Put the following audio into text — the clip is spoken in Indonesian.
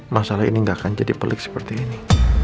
masalah ini gak akan jadi pelik seperti ini